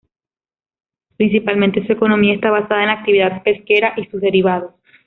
Principalmente, su economía está basada en la actividad pesquera y sus derivados.